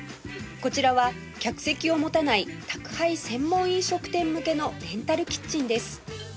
こちらは客席を持たない宅配専門飲食店向けのレンタルキッチンです